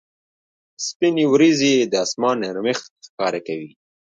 سپینې ورېځې د اسمان نرمښت ښکاره کوي.